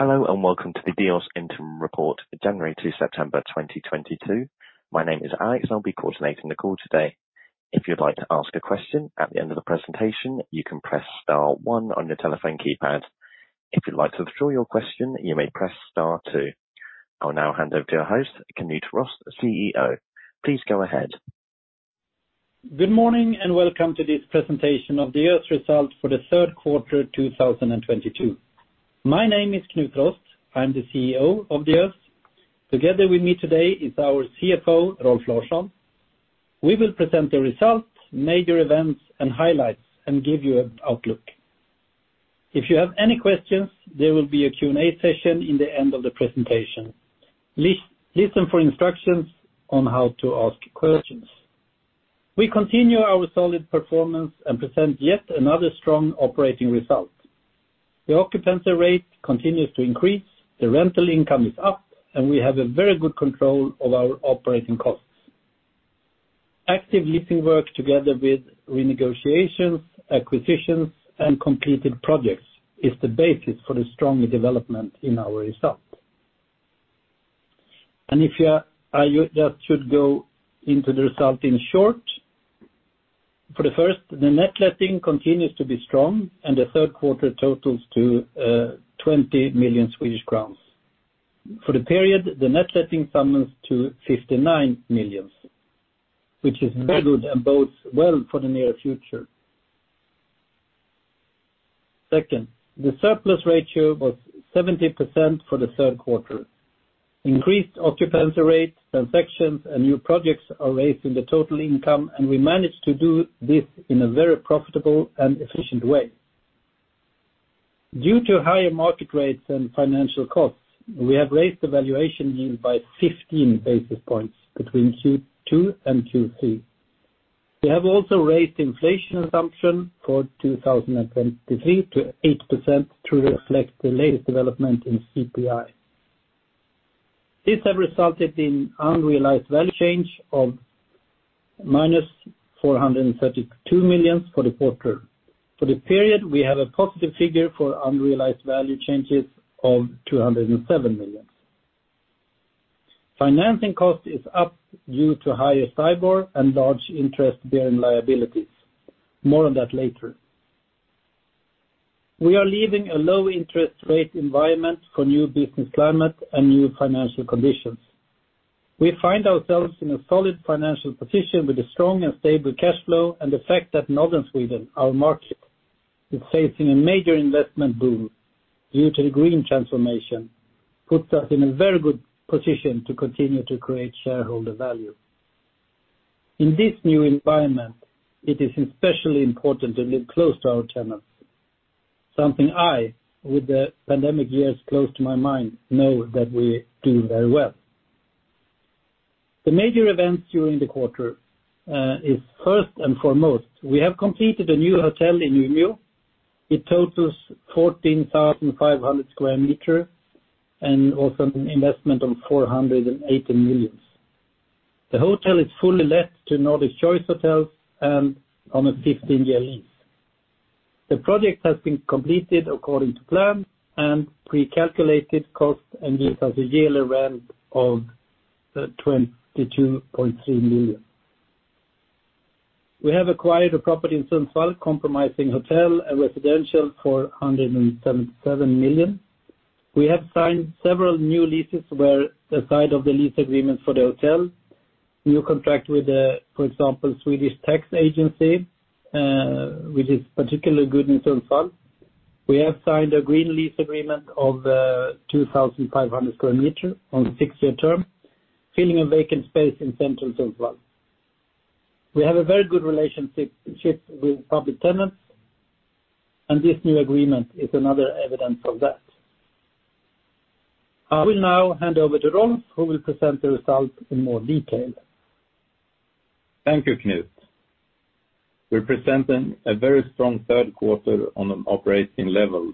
Hello, and welcome to the Diös interim report, January to September 2022. My name is Alex, I'll be coordinating the call today. If you'd like to ask a question at the end of the presentation, you can press star one on your telephone keypad. If you'd like to withdraw your question, you may press star two. I'll now hand over to our host, Knut Rost, CEO. Please go ahead. Good morning, and welcome to this presentation of the Diös result for the third quarter 2022. My name is Knut Rost. I'm the CEO of Diös. Together with me today is our CFO, Rolf Larsson. We will present the results, major events and highlights and give you an outlook. If you have any questions, there will be a Q&A session in the end of the presentation. Listen for instructions on how to ask questions. We continue our solid performance and present yet another strong operating result. The occupancy rate continues to increase, the rental income is up, and we have a very good control of our operating costs. Active leasing work together with renegotiations, acquisitions, and completed projects is the basis for the strong development in our results. I just should go into the result in short. For the first, the net letting continues to be strong, and the third quarter totals to 20 million Swedish crowns. For the period, the net letting amounts to 59 million, which is very good and bodes well for the near future. Second, the surplus ratio was 70% for the third quarter. Increased occupancy rates, transactions, and new projects are raising the total income, and we managed to do this in a very profitable and efficient way. Due to higher market rates and financial costs, we have raised the valuation yield by 15 basis points between Q2 and Q3. We have also raised inflation assumption for 2023 to 8% to reflect the latest development in CPI. This have resulted in unrealized value change of minus 432 million for the quarter. For the period, we have a positive figure for unrealized value changes of 207 million. Financing cost is up due to higher STIBOR and large interest-bearing liabilities. More on that later. We are leaving a low interest rate environment for new business climate and new financial conditions. We find ourselves in a solid financial position with a strong and stable cash flow, and the fact that Northern Sweden, our market, is facing a major investment boom due to the green transformation, puts us in a very good position to continue to create shareholder value. In this new environment, it is especially important to live close to our tenants. Something I, with the pandemic years close to my mind, know that we do very well. The major events during the quarter is first and foremost, we have completed a new hotel in Umeå. It totals 14,500 square meters and also an investment of 480 million. The hotel is fully let to Nordic Choice Hotels and on a 15-year lease. The project has been completed according to plan and pre-calculated cost, and this has a yearly rent of 22.3 million. We have acquired a property in Sundsvall comprising hotel and residential for 177 million. We have signed several new leases with the signing of the lease agreement for the hotel. New contract with the, for example, Swedish Tax Agency, which is particularly good in Sundsvall. We have signed a green lease agreement of 2,500 square meters on six-year term, filling a vacant space in central Sundsvall. We have a very good relationship with public tenants, and this new agreement is another evidence of that. I will now hand over to Rolf, who will present the results in more detail. Thank you, Knut. We're presenting a very strong third quarter on an operating level.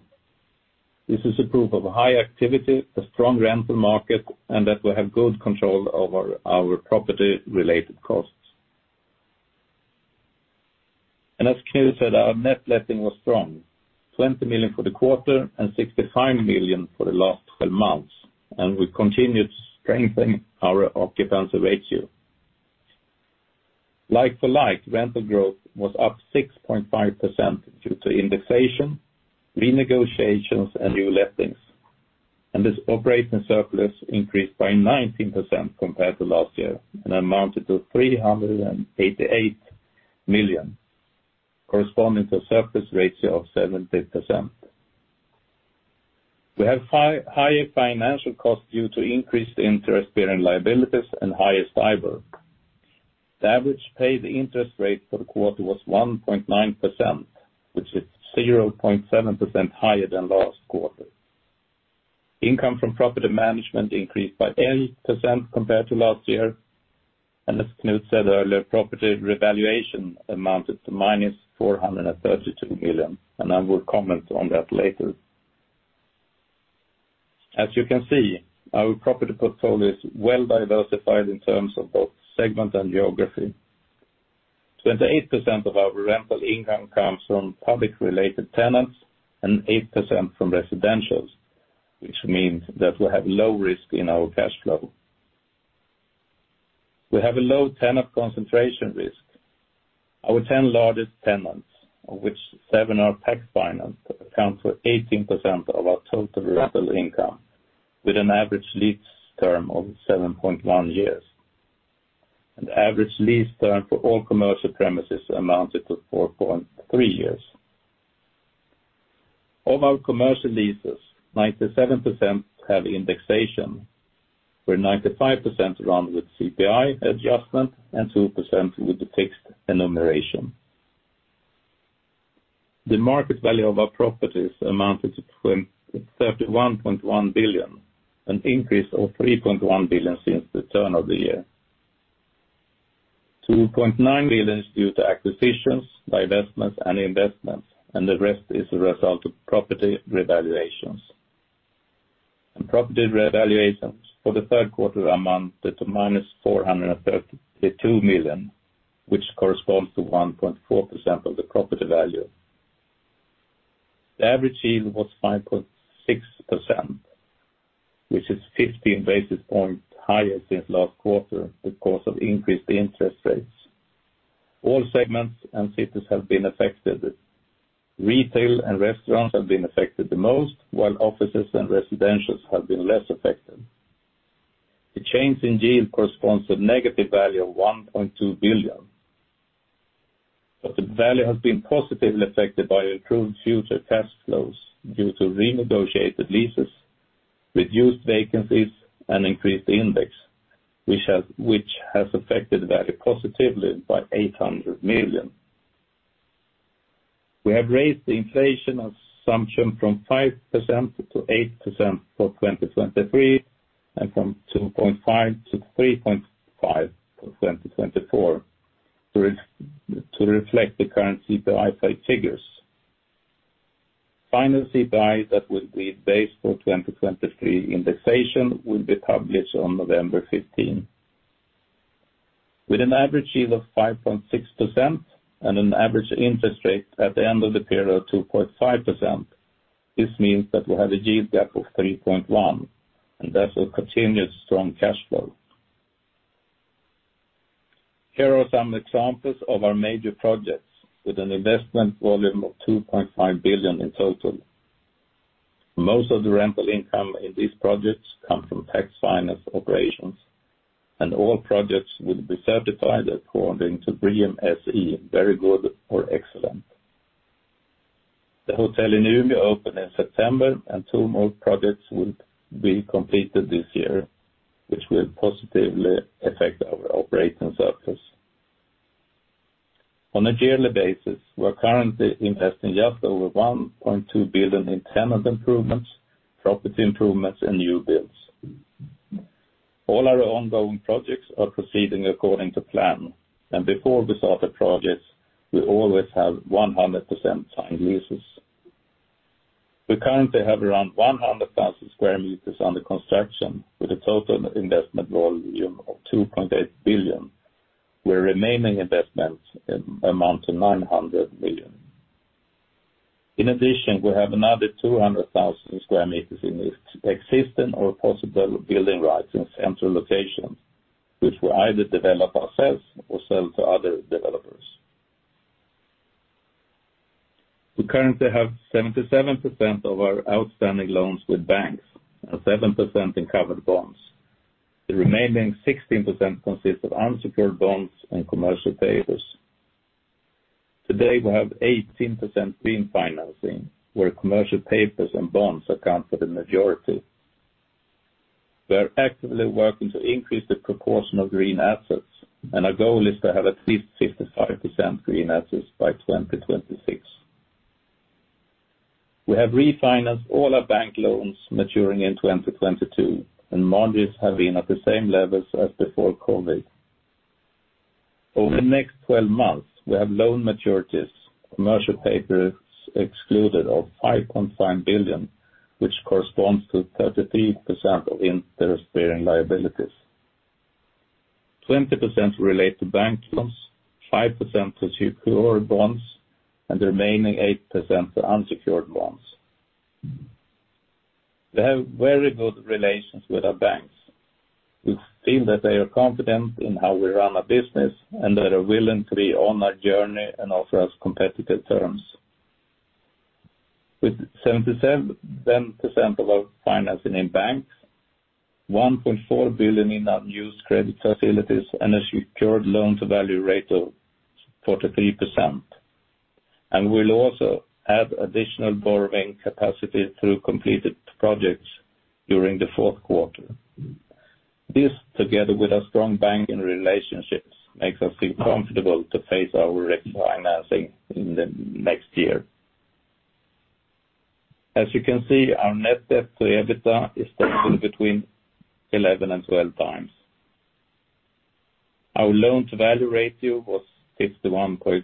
This is a proof of high activity, a strong rental market, and that we have good control over our property-related costs. As Knut said, our net letting was strong. 20 million for the quarter and 65 million for the last twelve months, and we continued strengthening our occupancy ratio. Like-for-like, rental growth was up 6.5% due to indexation, renegotiations, and new lettings. This operating surplus increased by 19% compared to last year and amounted to 388 million, corresponding to a surplus ratio of 70%. We have high financial costs due to increased interest-bearing liabilities and higher STIBOR. The average paid interest rate for the quarter was 1.9%, which is 0.7% higher than last quarter. Income from property management increased by 8% compared to last year. As Knut said earlier, property revaluation amounted to -432 million, and I will comment on that later. As you can see, our property portfolio is well-diversified in terms of both segment and geography. 28% of our rental income comes from public-related tenants and 8% from residentials, which means that we have low risk in our cash flow. We have a low tenant concentration risk. Our 10 largest tenants, of which seven are tax-financed, account for 18% of our total rental income, with an average lease term of 7.1 years. Average lease term for all commercial premises amounted to 4.3 years. Of our commercial leases, 97% have indexation, where 95% run with CPI adjustment and 2% with the fixed remuneration. The market value of our properties amounted to 31.1 billion, an increase of 3.1 billion since the turn of the year. 2.9 billion is due to acquisitions, divestments, and investments, and the rest is a result of property revaluations. Property revaluations for the third quarter amounted to -402 million, which corresponds to 1.4% of the property value. The average yield was 5.6%, which is 50 basis points higher since last quarter because of increased interest rates. All segments and cities have been affected. Retail and restaurants have been affected the most, while offices and residentials have been less affected. The change in yield corresponds to negative value of 1.2 billion. The value has been positively affected by improved future cash flows due to renegotiated leases, reduced vacancies, and increased index, which has affected the value positively by 800 million. We have raised the inflation assumption from 5%-8% for 2023 and from 2.5%-3.5% for 2024 to reflect the current CPI figures. Final CPI that will be based for 2023 indexation will be published on November 15. With an average yield of 5.6% and an average interest rate at the end of the period of 2.5%, this means that we have a yield gap of 3.1, and that's a continuous strong cash flow. Here are some examples of our major projects with an investment volume of 2.5 billion in total. Most of the rental income in these projects come from tax-financed operations, and all projects will be certified according to BREEAM-SE, Very Good or Excellent. The hotel in Umeå opened in September, and two more projects will be completed this year, which will positively affect our operating surplus. On a yearly basis, we're currently investing just over 1.2 billion in tenant improvements, property improvements, and new builds. All our ongoing projects are proceeding according to plan. Before we start the projects, we always have 100% signed leases. We currently have around 100,000 square meters under construction with a total investment volume of 2.8 billion, where remaining investments amount to 900 million. In addition, we have another 200,000 square meters in existing or possible building rights in central locations, which we'll either develop ourselves or sell to other developers. We currently have 77% of our outstanding loans with banks and 7% in covered bonds. The remaining 16% consists of unsecured bonds and commercial papers. Today, we have 18% green financing, where commercial papers and bonds account for the majority. We are actively working to increase the proportion of green assets, and our goal is to have at least 55% green assets by 2026. We have refinanced all our bank loans maturing in 2022, and margins have been at the same levels as before COVID. Over the next 12 months, we have loan maturities, commercial papers excluded of 8.5 billion, which corresponds to 33% of interest-bearing liabilities. 20% relate to bank loans, 5% to secured bonds, and the remaining 8% to unsecured bonds. We have very good relations with our banks. We feel that they are confident in how we run our business, and they are willing to be on our journey and offer us competitive terms. With 77% of our financing in banks, 1.4 billion in unused credit facilities, and a secured loan-to-value rate of 43%, and we'll also add additional borrowing capacity through completed projects during the fourth quarter. This, together with our strong banking relationships, makes us feel comfortable to face our refinancing in the next year. As you can see, our net debt to EBITDA is still between 11x and 12x. Our loan-to-value ratio was 61.8%,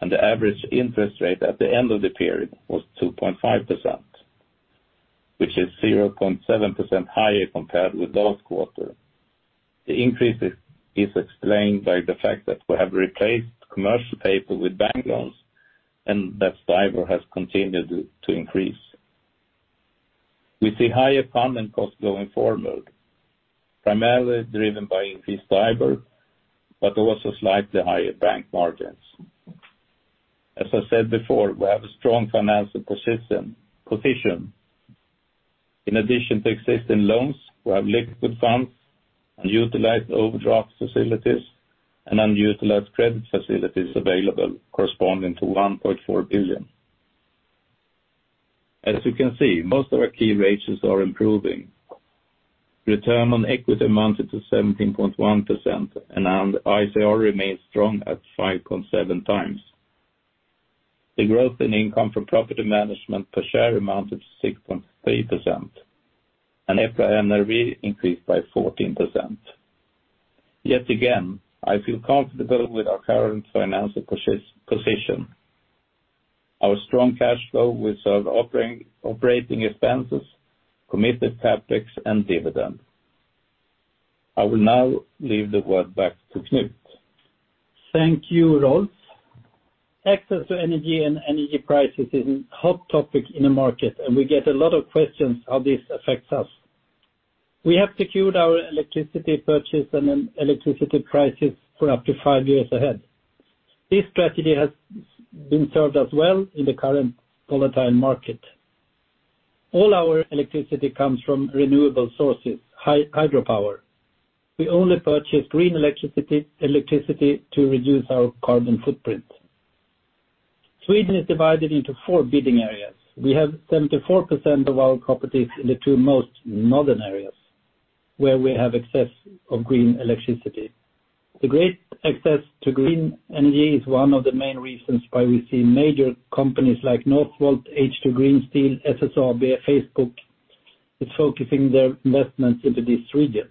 and the average interest rate at the end of the period was 2.5%. Which is 0.7% higher compared with last quarter. The increase is explained by the fact that we have replaced commercial paper with bank loans and that STIBOR has continued to increase. We see higher funding costs going forward, primarily driven by increased STIBOR, but also slightly higher bank margins. As I said before, we have a strong financial position. In addition to existing loans, we have liquid funds, unutilized overdraft facilities, and unutilized credit facilities available corresponding to 1.4 billion. As you can see, most of our key ratios are improving. Return on equity amounted to 17.1%, and our ICR remains strong at 5.7x. The growth in income from property management per share amounted to 6.3%, and EPRA NRV increased by 14%. Yet again, I feel comfortable with our current financial position. Our strong cash flow will serve operating expenses, committed CapEx and dividend. I will now leave the word back to Knut. Thank you, Rolf. Access to energy and energy prices is a hot topic in the market, and we get a lot of questions how this affects us. We have secured our electricity purchase and then electricity prices for up to five years ahead. This strategy has served us well in the current volatile market. All our electricity comes from renewable sources, hydro power. We only purchase green electricity to reduce our carbon footprint. Sweden is divided into four bidding areas. We have 74% of our properties in the two most northern areas where we have access to green electricity. The great access to green energy is one of the main reasons why we see major companies like Northvolt, H2 Green Steel, SSAB, Facebook, is focusing their investments into this region.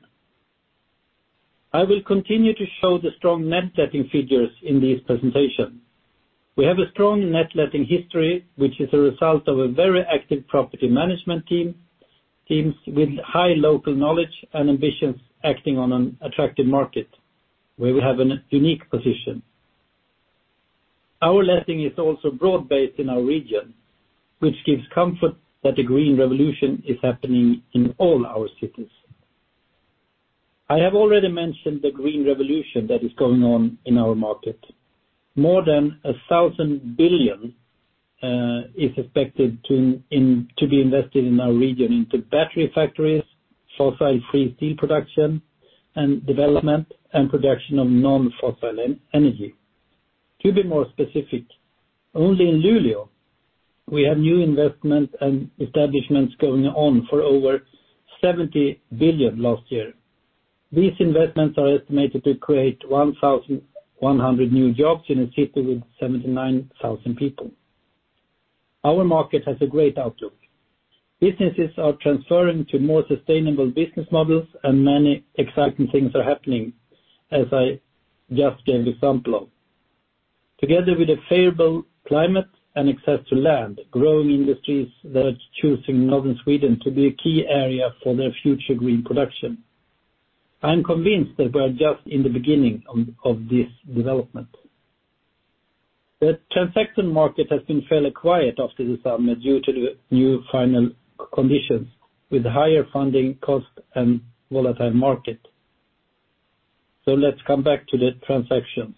I will continue to show the strong net letting figures in this presentation. We have a strong net letting history, which is a result of a very active property management team, teams with high local knowledge and ambitions acting on an attractive market where we have a unique position. Our letting is also broad-based in our region, which gives comfort that the green revolution is happening in all our cities. I have already mentioned the green revolution that is going on in our market. More than 1,000 billion is expected to be invested in our region into battery factories, fossil-free steel production and development and production of non-fossil energy. To be more specific, only in Luleå, we have new investment and establishments going on for over 70 billion last year. These investments are estimated to create 1,100 new jobs in a city with 79,000 people. Our market has a great outlook. Businesses are transferring to more sustainable business models, and many exciting things are happening, as I just gave example of. Together with a favorable climate and access to land, growing industries that are choosing Northern Sweden to be a key area for their future green production. I am convinced that we are just in the beginning of this development. The transaction market has been fairly quiet after the summer due to the new financial conditions with higher funding costs and volatile market. Let's come back to the transactions.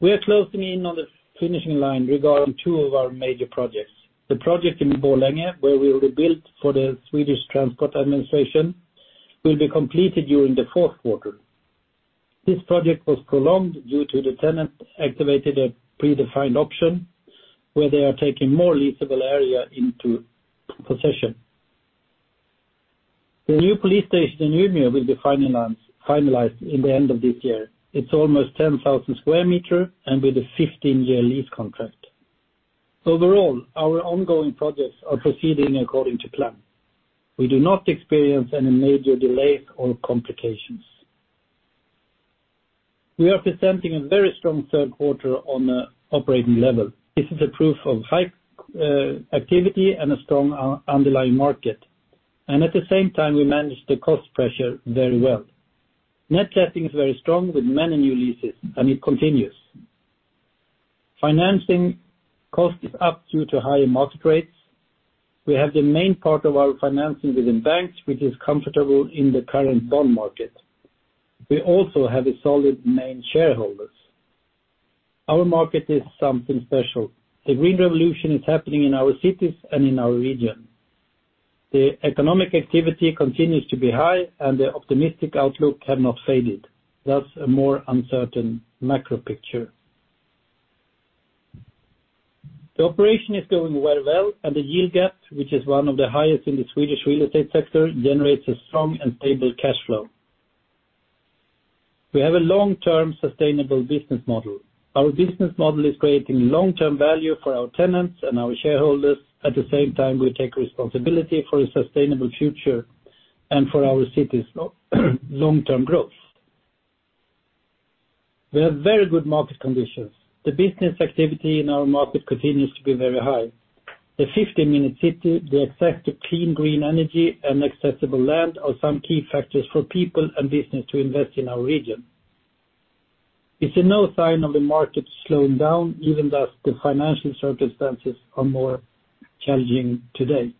We are closing in on the finishing line regarding two of our major projects. The project in Borlänge, where we will rebuild for the Swedish Transport Administration, will be completed during the fourth quarter. This project was prolonged due to the tenant activated a predefined option where they are taking more leasable area into possession. The new police station in Umeå will be finalized in the end of this year. It's almost 10,000 square meters and with a 15-year lease contract. Overall, our ongoing projects are proceeding according to plan. We do not experience any major delays or complications. We are presenting a very strong third quarter on an operating level. This is a proof of high activity and a strong underlying market, and at the same time, we manage the cost pressure very well. Net letting is very strong with many new leases, and it continues. Financing cost is up due to higher market rates. We have the main part of our financing within banks, which is comfortable in the current bond market. We also have a solid main shareholders. Our market is something special. The green revolution is happening in our cities and in our region. The economic activity continues to be high and the optimistic outlook have not faded, thus a more uncertain macro picture. The operation is going very well and the yield gap, which is one of the highest in the Swedish real estate sector, generates a strong and stable cash flow. We have a long-term sustainable business model. Our business model is creating long-term value for our tenants and our shareholders. At the same time, we take responsibility for a sustainable future and for our city's long-term growth. We have very good market conditions. The business activity in our market continues to be very high. The fifteen-minute city, the effect of clean green energy and accessible land are some key factors for people and business to invest in our region. We see no sign of the market slowing down given that the financial circumstances are more challenging today.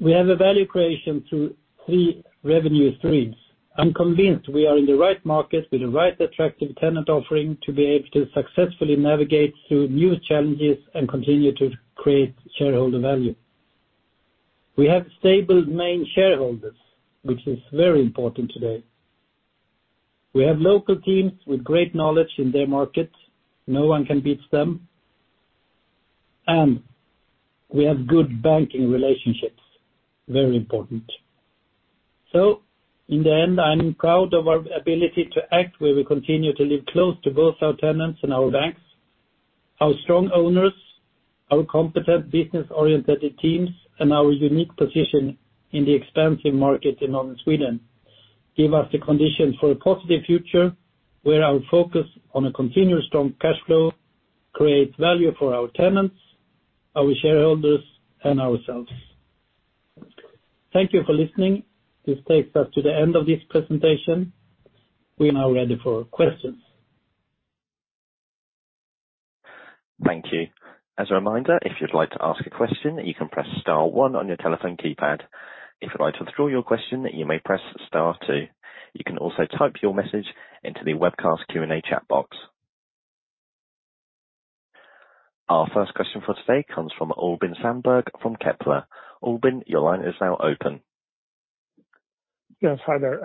We have a value creation through three revenue streams. I'm convinced we are in the right market with the right attractive tenant offering to be able to successfully navigate through new challenges and continue to create shareholder value. We have stable main shareholders, which is very important today. We have local teams with great knowledge in their markets. No one can beat them. We have good banking relationships. Very important. In the end, I'm proud of our ability to act, where we continue to live close to both our tenants and our banks. Our strong owners, our competent business-oriented teams, and our unique position in the expansive market in Northern Sweden give us the conditions for a positive future where our focus on a continuous strong cash flow creates value for our tenants, our shareholders, and ourselves. Thank you for listening. This takes us to the end of this presentation. We are now ready for questions. Thank you. As a reminder, if you'd like to ask a question, you can press star one on your telephone keypad. If you'd like to withdraw your question, you may press star two. You can also type your message into the webcast Q&A chat box. Our first question for today comes from Albin Sandberg from Kepler. Albin, your line is now open. Yes. Hi there.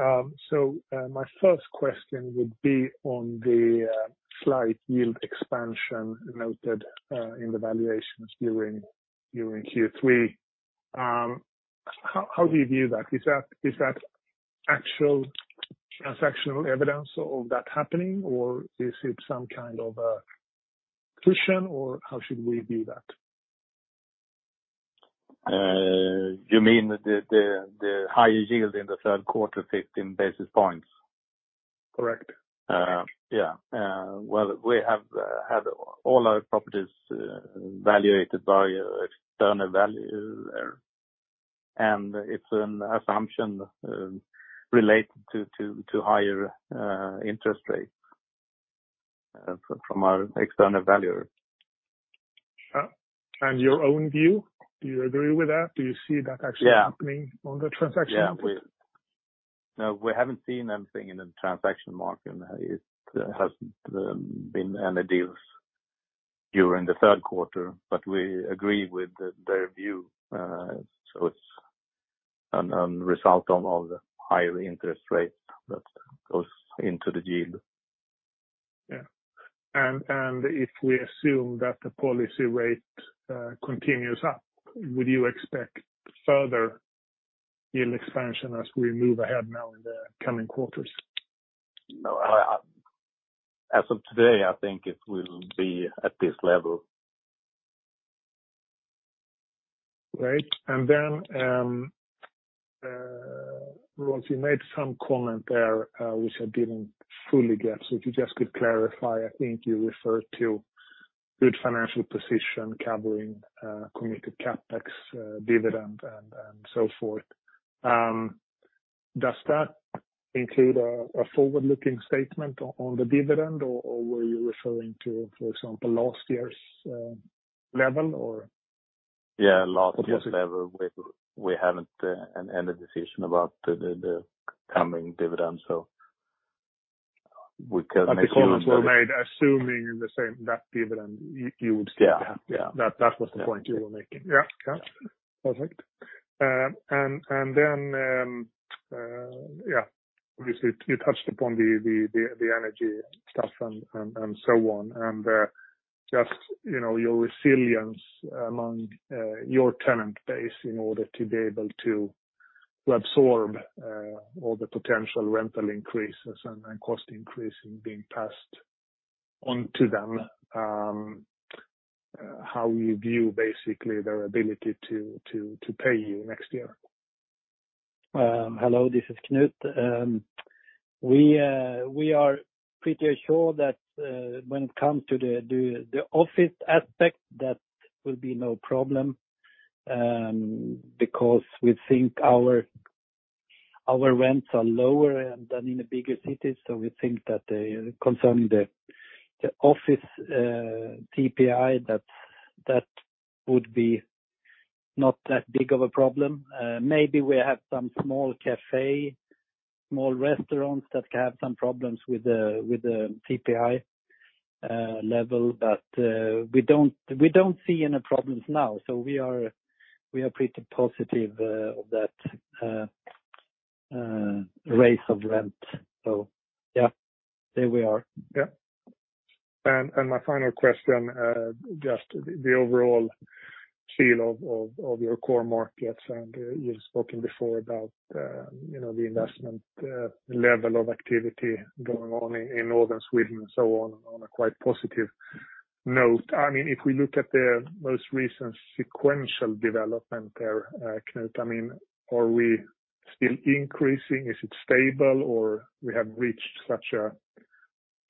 My first question would be on the slight yield expansion noted in the valuations during Q3. How do you view that? Is that actual transactional evidence of that happening, or is it some kind of a cushion, or how should we view that? You mean the higher yield in the third quarter, 15 basis points? Correct. Yeah. Well, we have had all our properties valuated by an external valuer. It's an assumption related to higher interest rates from our external valuer. Your own view, do you agree with that? Do you see that actually? Yeah. happening on the transaction? Yeah. No, we haven't seen anything in the transaction market. It hasn't been any deals during the third quarter, but we agree with their view. It's a result of the higher interest rate that goes into the yield. If we assume that the policy rate continues up, would you expect further yield expansion as we move ahead now in the coming quarters? No. As of today, I think it will be at this level. Great. Rolf, you made some comment there, which I didn't fully get. If you just could clarify. I think you referred to good financial position covering committed CapEx, dividend and so forth. Does that include a forward-looking statement on the dividend or were you referring to, for example, last year's level or? Yeah, last year's level. We haven't any decision about the coming dividend. We can assume. The comments were made assuming the same, that dividend you would still have. Yeah. Yeah. That was the point you were making. Yeah. Yeah. Perfect. Then, yeah, obviously you touched upon the energy stuff and so on. Just, you know, your resilience among your tenant base in order to be able to absorb all the potential rental increases and then cost increases being passed on to them. How you view basically their ability to pay you next year? Hello, this is Knut. We are pretty sure that when it comes to the office aspect, that will be no problem, because we think our rents are lower than in the bigger cities. We think that concerning the office CPI, that would be not that big of a problem. Maybe we have some small cafe, small restaurants that can have some problems with the CPI level, but we don't see any problems now. We are pretty positive of that raise of rent. Yeah, there we are. Yeah. My final question, just the overall feel of your core markets. You've spoken before about the investment level of activity going on in Northern Sweden and so on a quite positive note. I mean, if we look at the most recent sequential development there, Knut, I mean, are we still increasing? Is it stable or we have reached such a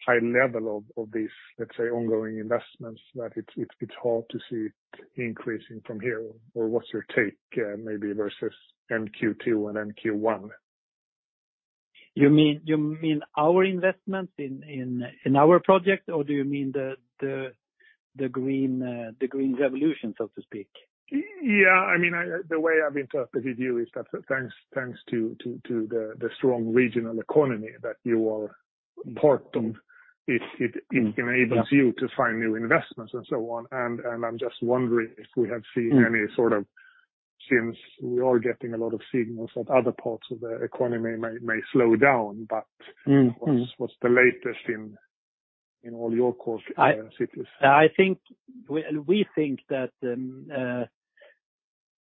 high level of these, let's say, ongoing investments that it's hard to see it increasing from here? Or what's your take, maybe versus Q2 and Q1. You mean our investment in our project, or do you mean the green revolution, so to speak? Yeah. I mean, the way I've interpreted you is that thanks to the strong regional economy that you alluded to, it enables you to find new investments and so on. I'm just wondering if we have seen any sort of since we are getting a lot of signals that other parts of the economy may slow down. Mm-hmm. What's the latest in all your core cities? I think we think that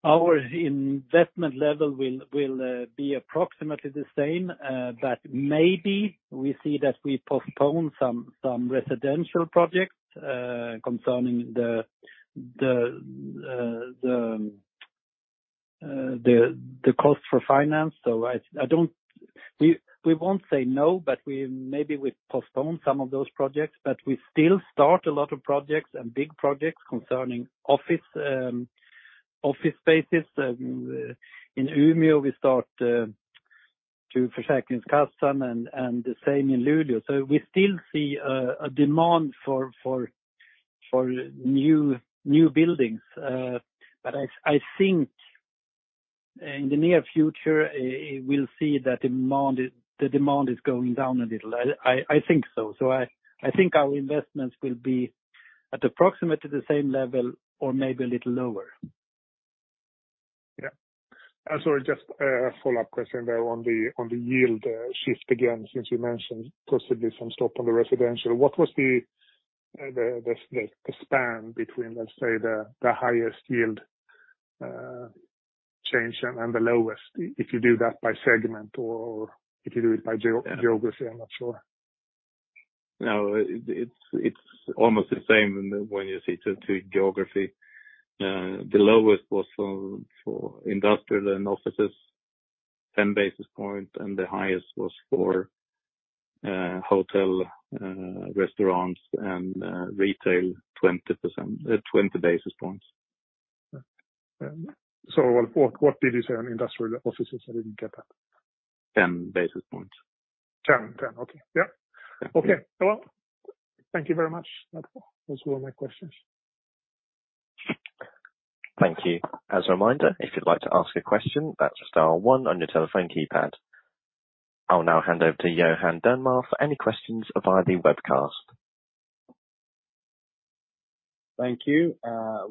our investment level will be approximately the same, but maybe we see that we postpone some residential projects concerning the cost for finance. We won't say no, but we maybe postpone some of those projects, but we still start a lot of projects and big projects concerning office spaces. In Umeå, we start to Sorry, just a follow-up question there on the yield shift again, since you mentioned possibly some stop on the residential. What was the span between, let's say, the highest yield change and the lowest, if you do that by segment or if you do it by geography? I'm not sure. No, it's almost the same when you see to geography. The lowest was for industrial and offices, 10 basis points, and the highest was for hotel, restaurants and retail 20%, 20 basis points. What did you say on industrial offices? I didn't get that. 10 basis points. 10. Okay. Yep. Okay. Well, thank you very much. That was all my questions. Thank you. As a reminder, if you'd like to ask a question, that's star one on your telephone keypad. I'll now hand over to Johan Dernmar for any questions via the webcast. Thank you.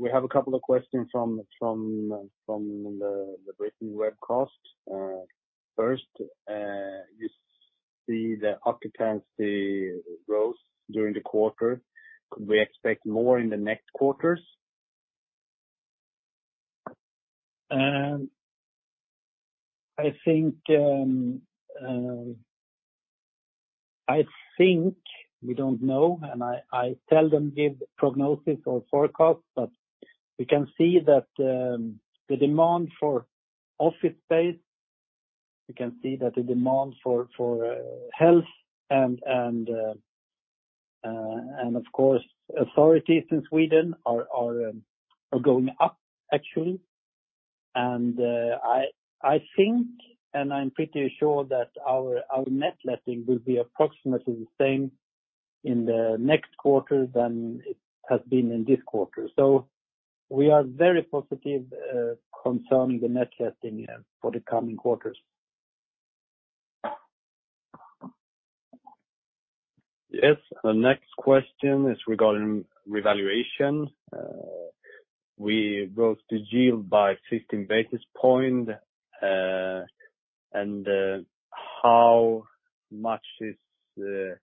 We have a couple of questions from the written webcast. First, you see the occupancy rose during the quarter. Could we expect more in the next quarters? I think we don't know, and I tell them give prognosis or forecast, but we can see that the demand for office space. We can see that the demand for health and of course, authorities in Sweden are going up actually. I think and I'm pretty sure that our net letting will be approximately the same in the next quarter than it has been in this quarter. We are very positive concerning the net letting, yeah, for the coming quarters. Yes. The next question is regarding revaluation. We raised the yield by 15 basis points, and how much is the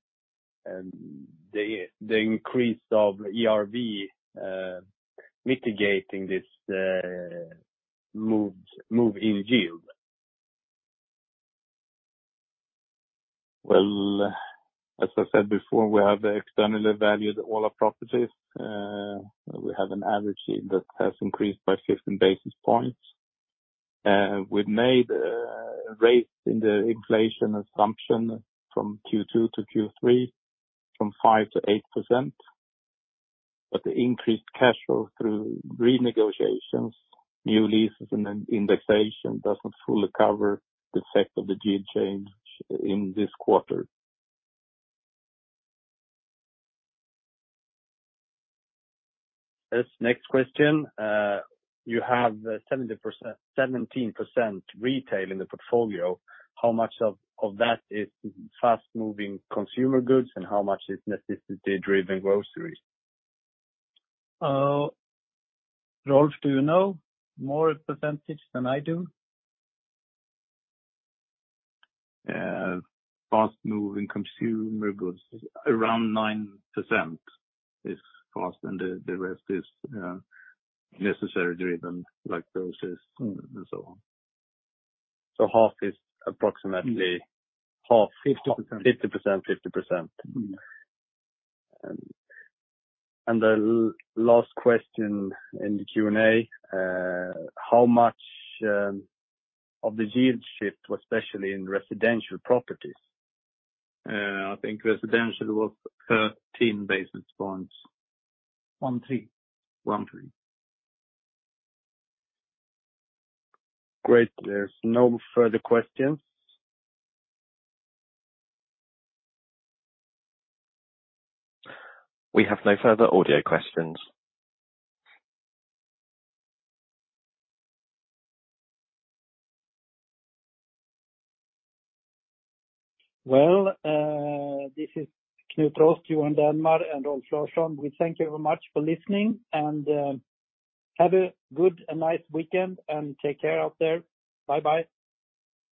increase of ERV mitigating this move in yield? Well, as I said before, we have externally valued all our properties. We have an average that has increased by 15 basis points. We've made a raise in the inflation assumption from Q2 to Q3, from 5%-8%. The increased cash flow through renegotiations, new leases and then indexation doesn't fully cover the effect of the yield change in this quarter. Yes. Next question. You have 17% retail in the portfolio. How much of that is fast-moving consumer goods and how much is necessity-driven groceries? Rolf, do you know more percentage than I do? Fast-moving consumer goods, around 9% is fast, and the rest is necessity-driven like groceries and so on. Half is approximately half. 50%. 50%, 50%. Mm-hmm. The last question in the Q&A, how much of the yield shift was especially in residential properties? I think residential was 13 basis points. One, three. One, three. Great. There's no further questions. We have no further audio questions. This is Knut Rost, Johan Dernmar and Rolf Larsson. We thank you very much for listening, and have a good and nice weekend, and take care out there. Bye-bye.